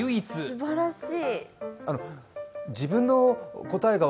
すばらしい。